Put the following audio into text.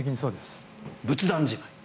仏壇じまい。